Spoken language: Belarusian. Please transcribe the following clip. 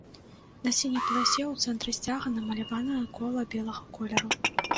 На сіняй паласе ў цэнтры сцяга намаляванае кола белага колеру.